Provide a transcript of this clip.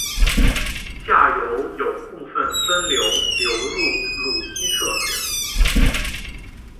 下游有部分分流流入鲁希特河。